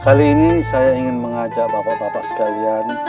kali ini saya ingin mengajak bapak bapak sekalian